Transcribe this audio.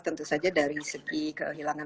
tentu saja dari segi kehilangan